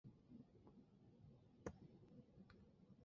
龙头黄芩为唇形科黄芩属下的一个种。